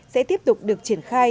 sẽ tiếp tục được triển khai